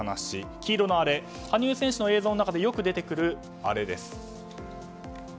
黄色のあれ羽生選手の映像の中でよく出てくる、あれです。